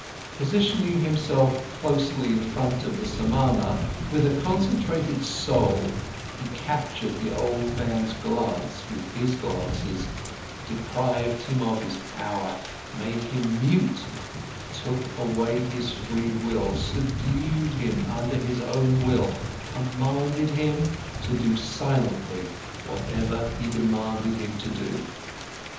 Positioning himself closely in front of the Samana, with a concentrated soul, he captured the old man's glance with his glances, deprived him of his power, made him mute, took away his free will, subdued him under his own will, commanded him, to do silently, whatever he demanded him to do.